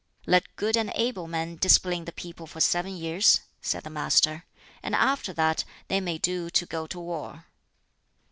"Let good and able men discipline the people for seven years," said the Master, "and after that they may do to go to war."